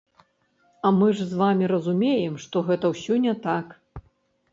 А мы ж з вамі разумеем, што гэта ўсё не так!